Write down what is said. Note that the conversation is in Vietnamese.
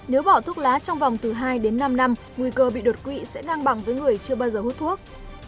nếu bỏ thuốc lá trong vòng từ hai đến năm năm nguy cơ bị đột quỵ sẽ ngang bằng với người chưa bao giờ hút thuốc